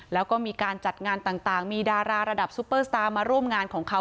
แล้วก็มีการจัดงานต่างมีดาราระดับซุปเปอร์สตาร์มาร่วมงานของเขา